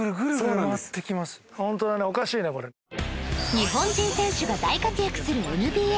日本人選手が大活躍する ＮＢＡ